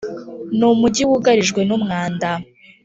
. Ni umujyi wugarijwe. Numwanda